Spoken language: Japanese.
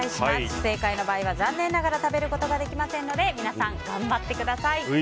不正解の場合は残念ながら食べることができませんので皆さん頑張ってください。